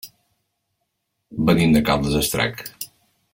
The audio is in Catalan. Venim de Caldes d'Estrac.